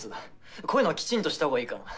こういうのはきちんとした方がいいからな。